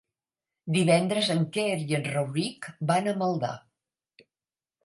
Divendres en Quer i en Rauric van a Maldà.